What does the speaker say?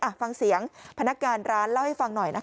ฟังเสียงพนักงานร้านเล่าให้ฟังหน่อยนะคะ